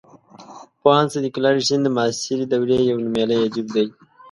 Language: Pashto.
پوهاند صدیق الله رښتین د معاصرې دورې یو نومیالی ادیب دی.